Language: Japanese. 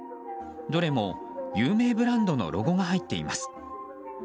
どれも有名ブランドのロゴが入っています。